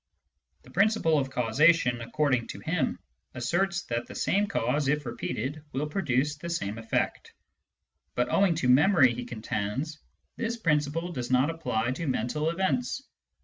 The principle of causation, according to him, asserts that the same cause, if repeated, will produce the same effect. But owing to memory, he contends, this principle does not apply to mental events.